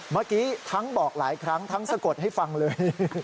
เมื่อกี้ทั้งบอกหลายครั้งทั้งสะกดให้ฟังเลย